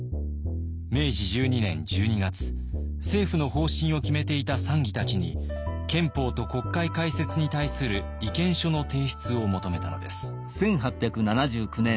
明治１２年１２月政府の方針を決めていた参議たちに「憲法と国会開設」に対する意見書の提出を求めたのです。